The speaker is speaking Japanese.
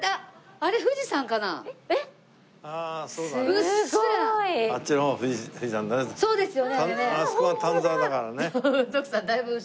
あそこは丹沢だからね。